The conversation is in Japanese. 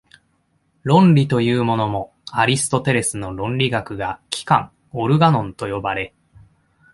論理というものも、アリストテレスの論理学が「機関」（オルガノン）と呼ばれ、